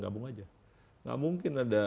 gabung aja nggak mungkin ada